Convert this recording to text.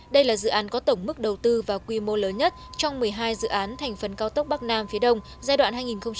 đây là dự án có tổng mức đầu tư và quy mô lớn nhất trong một mươi hai dự án thành phần cao tốc bắc nam phía đông giai đoạn hai nghìn một mươi sáu hai nghìn hai mươi